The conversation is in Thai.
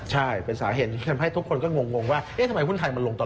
ใช่เป็นสาเหตุที่ทำให้ทุกคนก็งงว่าเอ๊ะทำไมหุ้นไทยมันลงตอน